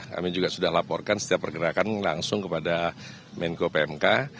kami juga sudah laporkan setiap pergerakan langsung kepada menko pmk